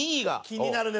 気になるね！